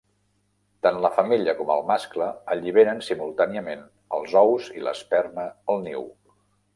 Tant la femella com el mascle alliberen simultàniament els ous i l'esperma al niu.